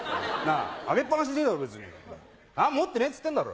上げっ放しでいいだろ別に何も持ってねえっつってんだろ。